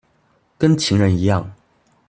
跟情人一樣